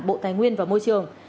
bộ tài nguyên và môi trường